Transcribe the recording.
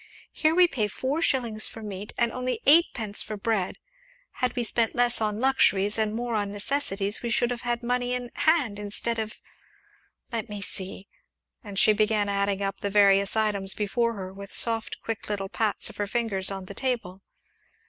Here we pay four shillings for meat, and only eightpence for bread; had we spent less on luxuries and more on necessaries we should have had money in hand instead of let me see!" and she began adding up the various items before her with soft, quick little pats of her fingers on the table.